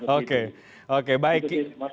lalu enggak lah jangan ikut gitu